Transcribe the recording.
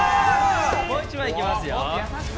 もう一枚行きますよ。